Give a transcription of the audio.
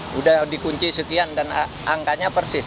sudah dikunci sekian dan angkanya persis